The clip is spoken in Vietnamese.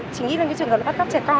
chị nghĩ là cái trường hợp bắt góc trẻ con